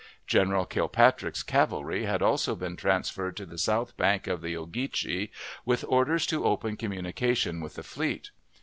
General Kilpatrick's cavalry had also been transferred to the south bank of the Ogeechee, with orders to open communication with the fleet.